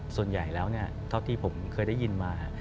ส่วนใหญ่แล้วเท่าที่ผมเคยได้ยินมา